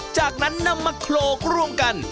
จากนั้นนำมาโขลกร่วมกัน